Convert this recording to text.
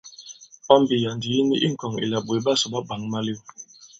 Pɔmbì ya᷅ ndī i ni i ŋkɔ̀ŋ ìlà ɓòt ɓasò ɓa bwǎŋ malew.